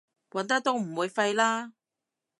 揾得都唔會廢啦